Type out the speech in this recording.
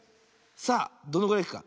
さあどのぐらいいくか。